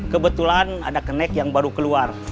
kebetulan ada kenek yang baru keluar